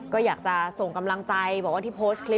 ก็อยากจะส่งกำลังใจบอกว่าที่โพสต์คลิป